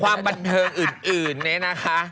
ความบันเทิงอื่นเนี่ยนะคะ